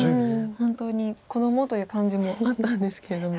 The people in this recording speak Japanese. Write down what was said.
本当に子どもという感じもあったんですけれども。